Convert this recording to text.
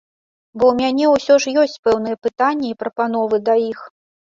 Бо ў мяне ўсё ж ёсць пэўныя пытанні і прапановы да іх.